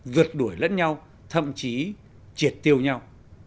rượt đuổi lẫn nhau thậm chí triệt tiêu nhau